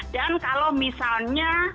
dan kalau misalnya